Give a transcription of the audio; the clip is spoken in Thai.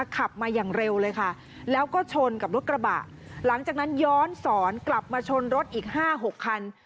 ขับมาอย่างเร็วเลยค่ะแล้วก็ชนกับรถกระบะหลังจากนั้นย้อนสอนกลับมาชนรถอีก๕๖คัน